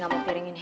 gak mau piring ini